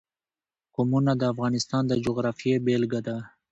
قومونه د افغانستان د جغرافیې بېلګه ده.